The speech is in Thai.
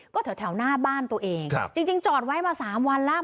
ก็แถวแถวหน้าบ้านตัวเองครับจริงจริงจอดไว้มาสามวันแล้ว